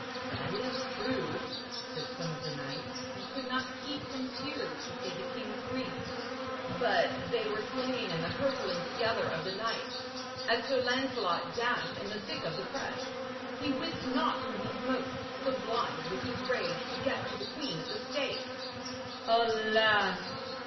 'That is truth,' said some of the knights, and could not keep from tears to see the king's grief, 'but they were slain in the hurtling together of the knights, as Sir Lancelot dashed in the thick of the press. He wist not whom he smote, so blind was his rage to get to the queen at the stake.' 'Alas!